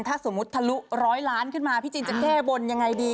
ถ้าสมมุติทะลุร้อยล้านขึ้นมาพี่จินจะแก้บนยังไงดี